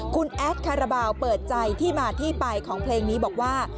คุณแอดคาราบาลเปิดใจที่มาที่ไปของเพลงนี้บอกว่า